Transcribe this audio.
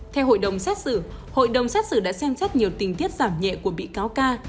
theo hội đồng xét xử hội đồng xét xử đã xem xét nhiều tình tiết giảm nhẹ của bị cáo ca